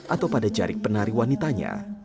atau pada jarik penari wanitanya